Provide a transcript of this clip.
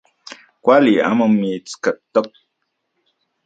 Kuali amo mitskaktok.